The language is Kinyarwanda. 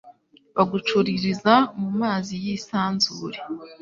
bagacururiza mu mazi y’isanzure